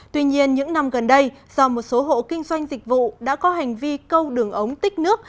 tuy nhiên những năm gần đây do một số hộ kinh doanh dịch vụ đã có hành vi câu đường ống tích nước